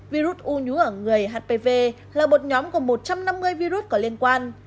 virus u nhú ở người hpv là một nhóm của một trăm năm mươi virus có liên quan